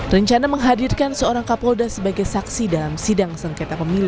rencana menghadirkan seorang kapolda sebagai saksi dalam sidang sengketa pemilu